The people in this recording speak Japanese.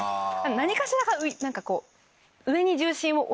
何かしら何かこう。